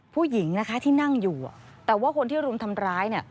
ผู้หญิงที่นั่งอยู่แต่ว่าคนที่รุ่มทำร้าย